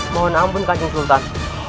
mohon ampun kajung sultan